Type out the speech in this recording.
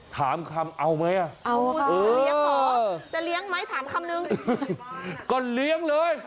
ถามคำเอาไหมอ่ะเอาค่ะเลี้ยงพอจะเลี้ยงไหมถามคำนึงก็เลี้ยงเลย